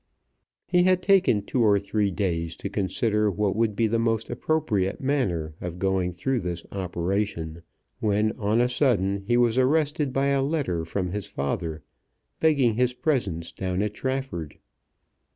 He had taken two or three days to consider what would be the most appropriate manner of going through this operation, when on a sudden he was arrested by a letter from his father, begging his presence down at Trafford.